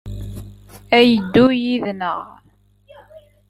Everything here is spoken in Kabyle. A yeddu yid-neɣ?